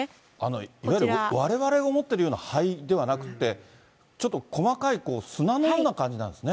いわゆるわれわれが思ってるような灰ではなくて、ちょっと細かい砂のような感じなんですね。